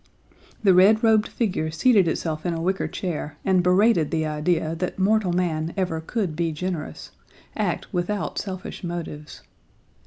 The red robed figure seated itself in a wicker chair and berated the idea that mortal man ever could be generous, act without selfish motives.